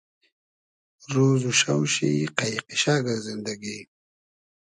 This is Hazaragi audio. رۉز و شاو شی قݷ قیشئگۂ زیندئگی